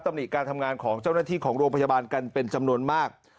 หนิการทำงานของเจ้าหน้าที่ของโรงพยาบาลกันเป็นจำนวนมาก